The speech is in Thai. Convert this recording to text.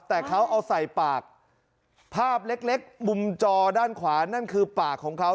แต่เขาเอาใส่ปากภาพเล็กมุมจอด้านขวานั่นคือปากของเขา